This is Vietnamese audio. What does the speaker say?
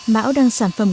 mão đang sản phẩm